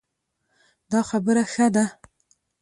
دا خبره ښه ده